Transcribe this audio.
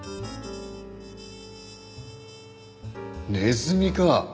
ネズミか！